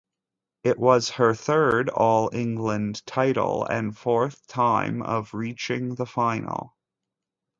It was her third All England title and fourth time of reaching the final.